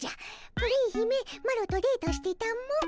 プリン姫マロとデートしてたも。